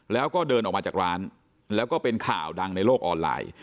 แล้วก็เดินออกมาจากร้านแล้วก็เป็นข่าวดังในโลกออนไลน์